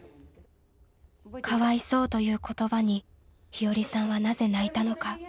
「かわいそう」という言葉に日和さんはなぜ泣いたのか。